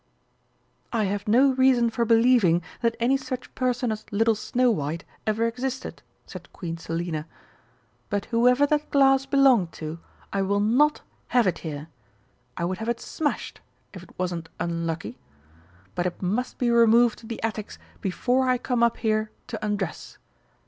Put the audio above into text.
"I have no reason for believing that any such person as Little Snow white ever existed," said Queen Selina; "but whoever that glass belonged to, I will not have it here. I would have it smashed, if it wasn't unlucky. But it must be removed to the attics before I come up here to undress.